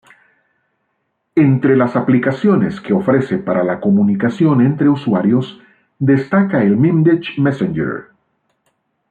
Entre las aplicaciones que ofrece para la comunicación entre usuarios, destaca el Mimdich-Messenger.